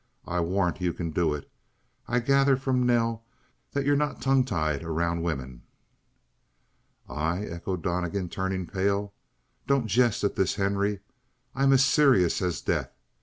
I warrant you can do it! I gather from Nell that you're not tongue tied around women!" "I?" echoed Donnegan, turning pale. "Don't jest at this, Henry. I'm as serious as death.